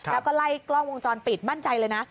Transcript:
แล้วก็ไล่กล้องวงจรปิดมั่นใจเลยนะ